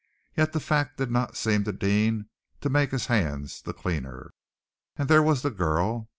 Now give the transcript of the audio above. Yet the fact did not seem to Deane to make his hands the cleaner. And there was the girl!